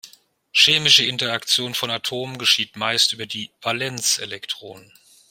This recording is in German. Chemische Interaktion von Atomen geschieht meist über die Valenzelektronen.